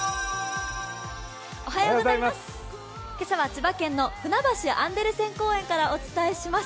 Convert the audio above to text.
今朝は千葉県のふなばしアンデルセン公園からお伝えします。